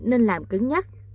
nên làm cứng nhất